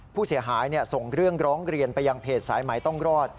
ผู้เสียหายส่งเรื่องร้องเรียนไปยังเพจสายใหม่ต้องรอด